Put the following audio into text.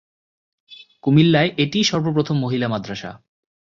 কুমিল্লায় এটিই সর্বপ্রথম মহিলা মাদ্রাসা।